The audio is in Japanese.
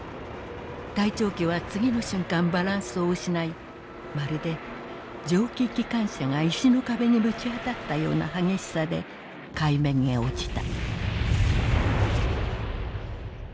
隊長機はつぎの瞬間バランスを失いまるで蒸気機関車が石の壁にぶちあたったような激しさで海面へ落ちた」。